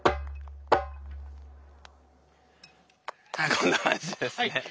こんな感じですね。